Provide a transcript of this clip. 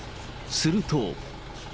すると。